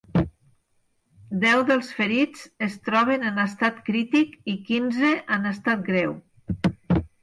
Deu dels ferits es troben en estat crític i quinze, en estat greu.